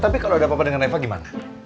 tapi kalau ada apa apa dengan eva gimana